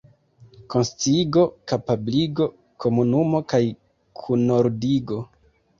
konsciigo, kapabligo, komunumo kaj kunordigo.